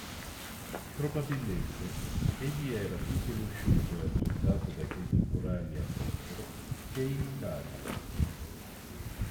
Probabilmente egli era più conosciuto e apprezzato dai contemporanei all'estero che in Italia.